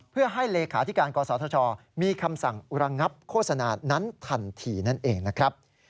เพื่อให้เลขาธิการกศธชมีคำสั่งระงับโฆษณานั้นทันทีนั่นเองนะครับ